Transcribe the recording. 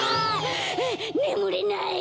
ねむれない！